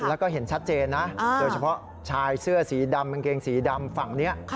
แล้วก็เห็นชัดเจนนะโดยเฉพาะชายเสื้อสีดำกางเกงสีดำฝั่งนี้